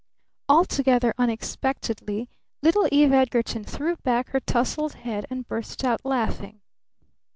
Altogether unexpectedly little Eve Edgarton threw back her tousled head and burst out laughing.